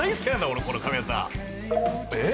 俺この髪形ええ？